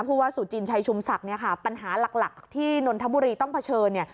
พูดว่าสู่จินชัยชุมศักดิ์ปัญหาหลักที่นนทบุรีต้องเผชิญ